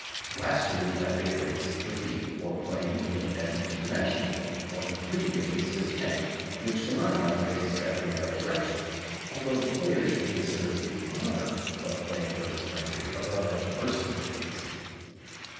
Last year the F.A. raised the fee for playing in an International game from three guineas to ten, which, to my mind, was a step in the right direction, although the player should consider the honour of playing for his country above any mercenary reason.